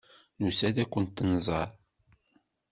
Nusa-d ad kent-nẓer.